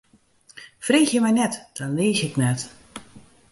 Freegje my net, dan liich ik net.